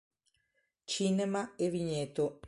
Cinema e Vigneto.